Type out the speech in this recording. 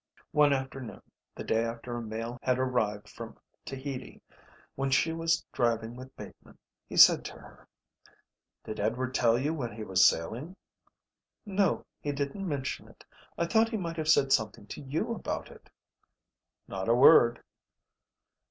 One afternoon, the day after a mail had arrived from Tahiti, when she was driving with Bateman he said to her: "Did Edward tell you when he was sailing?" "No, he didn't mention it. I thought he might have said something to you about it." "Not a word."